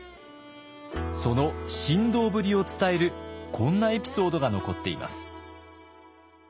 その神童ぶりを伝えるこんなエピソードが残っています。